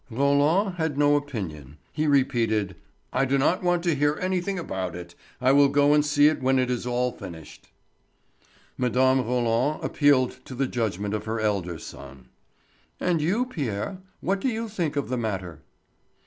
Roland had no opinion. He repeated: "I do not want to hear anything about it. I will go and see it when it is all finished." Mme. Roland appealed to the judgment of her elder son. "And you, Pierre, what do you think of the matter?"